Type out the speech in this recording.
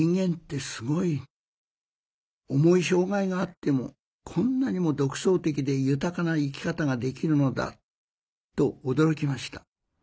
重い障害があってもこんなにも独創的で豊かな生き方ができるのだと驚きました。